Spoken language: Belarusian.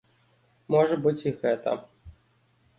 Можа быць і гэта.